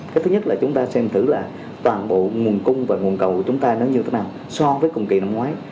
cái thứ nhất là chúng ta xem thử là toàn bộ nguồn cung và nguồn cầu của chúng ta nó như thế nào so với cùng kỳ năm ngoái